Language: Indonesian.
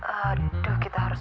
aduh kita harus